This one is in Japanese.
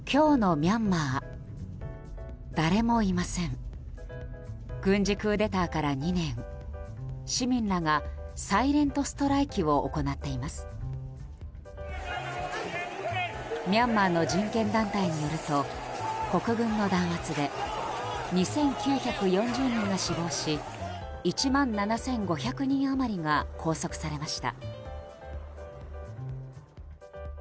ミャンマーの人権団体によると国軍の弾圧で２９４０人が死亡し１万７５００人余りが拘束されました。